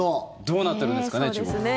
どうなってるんですかね。